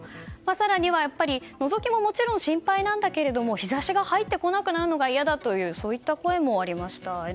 更には、やっぱりのぞきももちろん心配だけれど日差しが入ってこなくなるのが嫌だという声もありました。